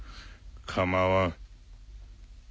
構わん。